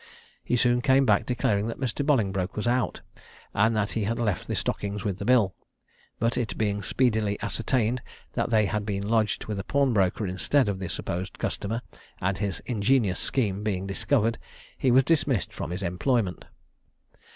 He soon came back declaring that Mr. Bolingbroke was out, and that he had left the stockings with the bill; but it being speedily ascertained that they had been lodged with a pawnbroker instead of the supposed customer, and his ingenious scheme being discovered, he was dismissed from his employment.